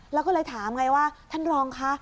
แล้วก็เลยถามไงว่าท่านรองคะ